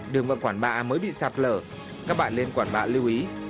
đường và quản bạ mới bị sạt lở các bạn lên quản bạ lưu ý